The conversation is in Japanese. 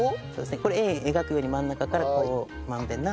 これを円を描くように真ん中からこう満遍なく。